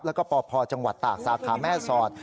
แล้วก็ปพจังหวัดตากสาขาแม่สอด